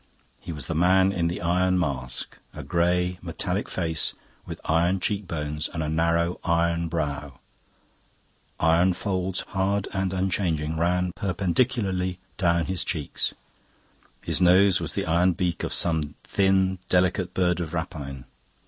He was the man in the Iron Mask. A grey metallic face with iron cheek bones and a narrow iron brow; iron folds, hard and unchanging, ran perpendicularly down his cheeks; his nose was the iron beak of some thin, delicate bird of rapine.